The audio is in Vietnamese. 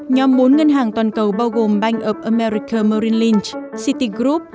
nhóm bốn ngân hàng toàn cầu bao gồm bank of america marine lynch citigroup